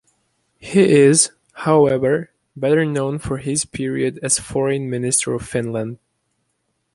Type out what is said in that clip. He is, however, better known for his period as Foreign Minister of Finland.